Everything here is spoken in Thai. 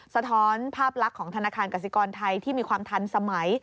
สะท้อนภาพลักษณ์ของธนาคารกสิกรไทยที่มีความทันสมัย